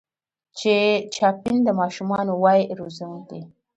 چې چاپلين د ماشومانو وای روزونکی